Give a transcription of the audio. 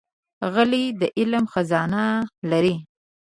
غلی، د علم خزانه لري.